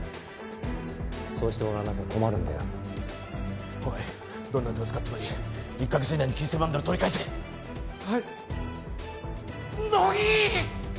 そうしてもらわなきゃ困るんだよおいどんな手を使ってもいい１か月以内に９千万ドル取り返せはい乃木！